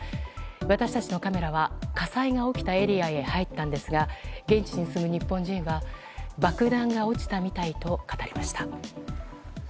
私たちのカメラは火災が起きたエリアに入ったんですが現地に住む日本人は爆弾が落ちたみたいと語りました。